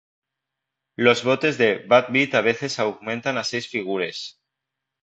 Los botes de "bad beat" a veces aumentan a seis figures.